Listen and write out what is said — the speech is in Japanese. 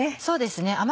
そうですね。